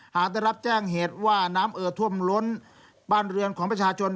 ได้รับแจ้งเหตุว่าน้ำเอ่อท่วมล้นบ้านเรือนของประชาชน